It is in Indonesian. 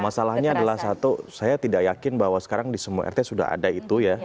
masalahnya adalah satu saya tidak yakin bahwa sekarang di semua rt sudah ada itu ya